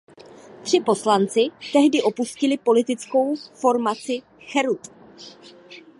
Tři poslanci tehdy opustili politickou formaci Cherut.